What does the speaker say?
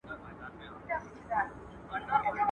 o چي تر ملکه دي کړه، ورکه دي کړه.